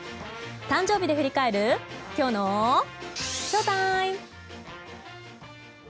誕生日で振り返るきょうのＳＨＯＴＩＭＥ！